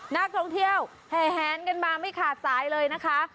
นักท่องเที่ยวแห่แหนกันมาไม่ขาดสายเลยนะคะ